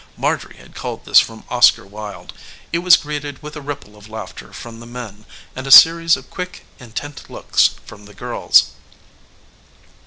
Marjorie had culled this from Oscar Wilde. It was greeted with a ripple of laughter from the men and a series of quick, intent looks from the girls.